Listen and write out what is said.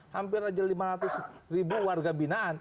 hampir aja lima ratus ribu warga binaan